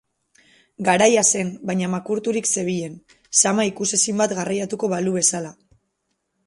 Garaia zen baina makurturik zebilen, zama ikusezin bat garraiatuko balu bezala.